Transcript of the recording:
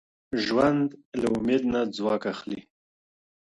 ژوند له امید نه ځواک اخلي.